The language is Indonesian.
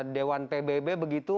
dewan pbb begitu